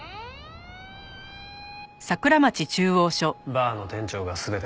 バーの店長が全て吐いた。